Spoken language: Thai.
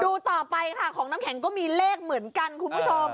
ดูต่อไปค่ะของน้ำแข็งก็มีเลขเหมือนกันคุณผู้ชม